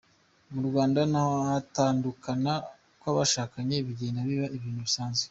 Mu Rwanda na ho gutandukana kw’abashakanye bigenda biba ibintu bisanzwe.